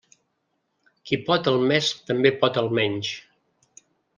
Qui pot el més també pot el menys.